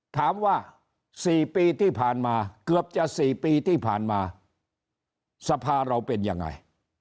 ถามว่า๔ปีที่ผ่านมาเกือบจะ๔ปีที่ผ่านมาสภาเราเป็นยังไง